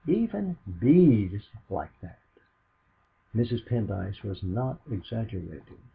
Even Bee's like that!" Mrs. Pendyce was not exaggerating.